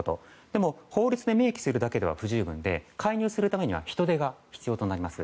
でも、法律で明記するだけでは不十分で介入するためには人手が必要となります。